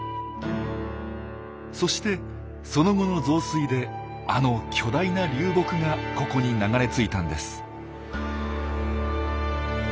そしてその後の増水であの巨大な流木がここに流れ着いたんです。